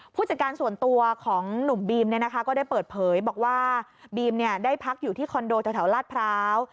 ผู้จัดการส่วนตัวของหนุ่มบีมเนี่ยนะคะก็ได้เปิดเผยบอกว่าบีมได้พักอยู่ที่คอนโดแถวลาดพร้าว